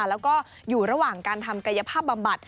แล้วก็อยู่ระหว่างการทำกายภาพบำบัด